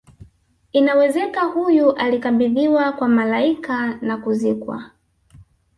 inawezeka huyu alikabidhiwa kwa malaika na kuzikwa